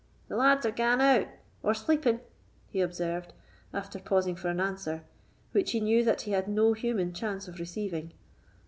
The lads are gane out, or sleeping," he observed, after pausing for an answer, which he knew that he had no human chance of receiving.